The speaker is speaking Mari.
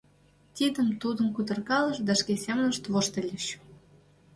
Тидым-тудым кутыркалышт да шке семынышт воштыльыч.